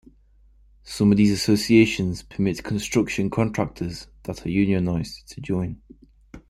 Some of these associations permit construction contractors that are unionized to join.